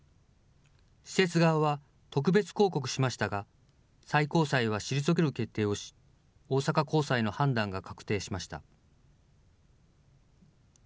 施設側は特別抗告しましたが、最高裁は退ける決定をし、大阪高裁の判断が確定しました。